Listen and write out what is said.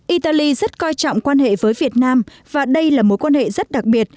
italy rất coi trọng quan hệ với việt nam và đây là mối quan hệ rất đặc biệt